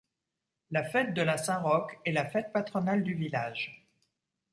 La fête de la Saint-Roch est la fête patronale du village.